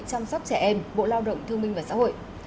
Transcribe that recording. chăm sóc trẻ em bộ lao động thương minh và xã hội